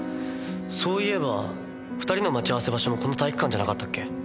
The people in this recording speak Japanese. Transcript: そういえば２人の待ち合わせ場所もこの体育館じゃなかったっけ？